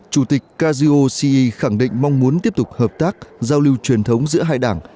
chủ tịch kazuo si khẳng định mong muốn tiếp tục hợp tác giao lưu truyền thống giữa hai đảng